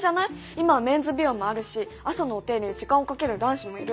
今はメンズ美容もあるし朝のお手入れに時間をかける男子もいる。